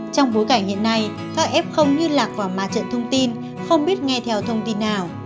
trong bối cảnh hiện nay các f như lạc vào mà trận thông tin không biết nghe theo thông tin nào